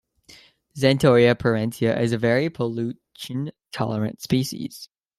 "Xanthoria parietina" is a very pollution-tolerant species.